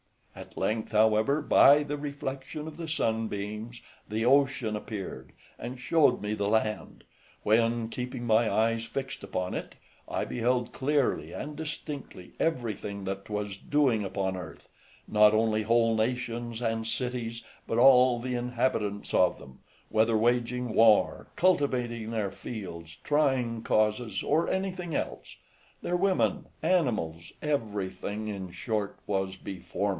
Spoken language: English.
At length, however, by the reflection of the sunbeams, the ocean appeared, and showed me the land, when, keeping my eyes fixed upon it, I beheld clearly and distinctly everything that was doing upon earth, not only whole nations and cities, but all the inhabitants of them, whether waging war, cultivating their fields, trying causes, or anything else; their women, animals, everything, in short, was before me.